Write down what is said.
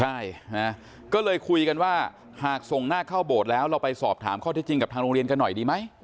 ใช่ก็เลยคุยกันว่าหากส่งหน้าเข้าโบสถ์แล้วเราไปสอบถามข้อที่จริงกับทางโรงเรียนกันหน่อยดีไหม